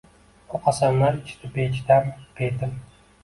U qasamlar ichdi bechidam, betin